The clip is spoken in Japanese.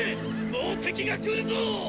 もう敵が来るぞォ！